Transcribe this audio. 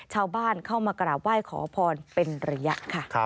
ชาวบ้านเข้ามากราบไหว้ขอพรเป็นระยะค่ะ